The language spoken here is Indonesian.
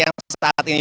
yang saat ini